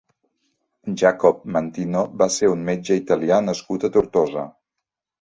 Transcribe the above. Jacob Mantino va ser un metge italià nascut a Tortosa.